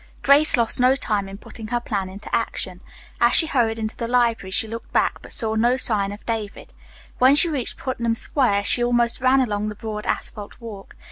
Grace lost no time in putting her plan into action. As she hurried into the library she looked back, but saw no sign of David. When she reached Putnam Square she almost ran along the broad asphalt walk.